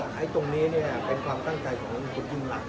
อ๋อแต่ไอ้ตรงนี้เนี่ยเป็นความตั้งใจของคุณยุ่งหลัก